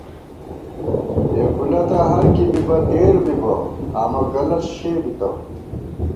یېکولہ تہ ہر کی بِبہ ، تېر بِبہ، آمہ کلݪ شے بِتہ